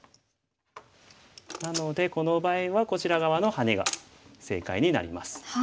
なのでこの場合はこちら側のハネが正解になります。